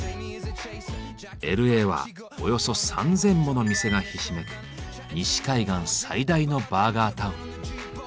Ｌ．Ａ．はおよそ３，０００もの店がひしめく西海岸最大のバーガータウン。